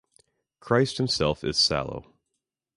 Christ himself is sallow.